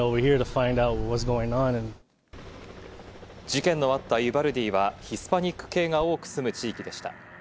事件のあったユバルディはヒスパニック系が多く住む地域でした。